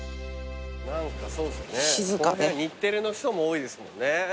この辺日テレの人も多いですもんね。